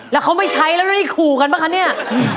แล้วเขาไม่ใช้แล้วนี่ขู่กันปะคะเนี่ย